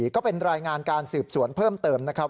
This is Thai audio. ก็เป็นรายงานการสืบสวนเพิ่มเติมนะครับ